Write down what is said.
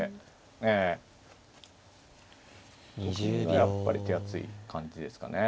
２０秒。と金がやっぱり手厚い感じですかね。